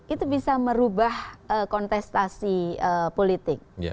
itu bisa merubah kontestasi politik